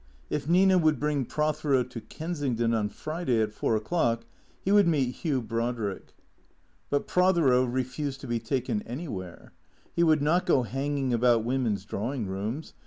If Xina would bring Prothero to Kensington on Friday at four o'clock he would meet Hugh Brodrick. But Prothero refused to be taken anywhere. He would not go hanging about women's drawing rooms.